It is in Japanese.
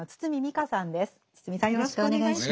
堤さんよろしくお願いします。